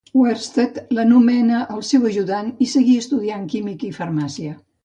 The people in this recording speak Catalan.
Oersted l'anomenà el seu ajudant i seguí estudiant química i farmàcia.